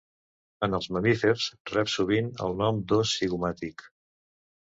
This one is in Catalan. En els mamífers rep sovint el nom d'os zigomàtic.